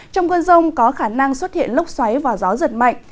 trong cơn rông có khả năng xuất hiện lốc xoáy và gió giật mạnh